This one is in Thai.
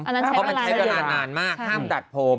อันนั้นใช้เวลาอย่างเดียวเมื่อกรม่านมากห้ามดัดผม